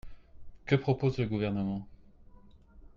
Que propose le Gouvernement?